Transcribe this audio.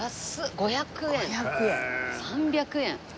「５００円」「３００円」！